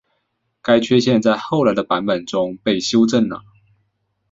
该缺陷在后来的版本中被修正了。